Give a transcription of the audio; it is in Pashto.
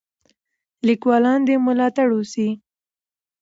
لیکوالان دې ملاتړ وسي.